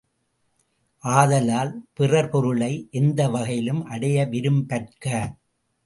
ஆதலால், பிறர் பொருளை எந்த வகையிலும் அடைய விரும்பற்க!